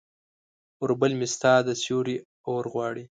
اوربل مې ستا د سیوري اورغواړي